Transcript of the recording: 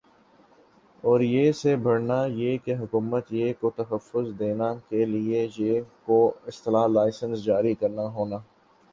اور یِہ سے بڑھنا یِہ کہ حکومت یِہ کو تحفظ دینا کا لئے یِہ کو اسلحہ لائسنس جاری کرنا ہونا